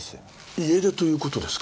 家出という事ですか？